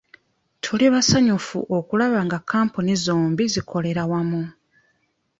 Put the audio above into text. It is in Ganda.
Tuli basanyufu okulaba nga kkampuni zombi zikolera wamu.